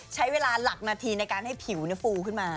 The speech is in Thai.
ใช้เวลาหลักนาทีในการให้ผิวฟูขึ้นมา